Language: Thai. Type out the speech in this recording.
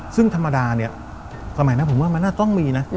ซึ่งธรรมดาเนี่ยก่อนใหม่นะผมว่ามันต้องมีนะ